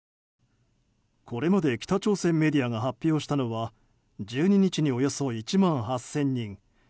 これまで北朝鮮メディアが発表したのは１２日におよそ１万８０００人。